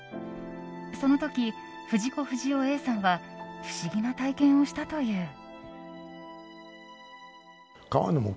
その時、藤子不二雄Ａさんは不思議な体験をしたという。